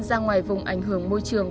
ra ngoài vùng ảnh hưởng môi trường